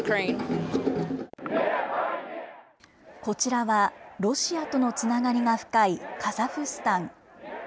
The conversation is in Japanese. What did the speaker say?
こちらは、ロシアとのつながりが深いカザフスタン。